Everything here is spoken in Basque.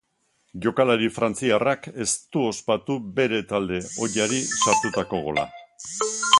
Jokalari frantziarrak ez du ospatu bere talde ohiari sartutako gola.